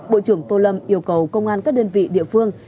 bộ trưởng tô lâm yêu cầu công an các đơn vị địa phương